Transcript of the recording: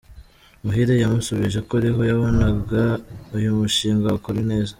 Muhire yamusubije ko ariho yabonaga uyu mushinga wakora neza.